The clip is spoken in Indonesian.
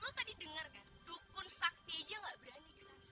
lo tadi denger kan dukun sakti aja gak berani kesana